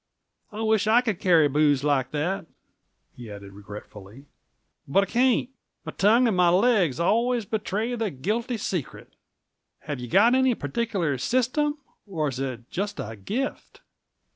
I wish I could carry booze like that," he added regretfully. "But I can't; my tongue and my legs always betray the guilty secret. Have you got any particular system, or is it just a gift?"